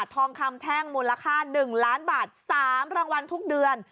ทองคำแท่งมูลค่า๑ล้านบาท๓รางวัลทุกเดือน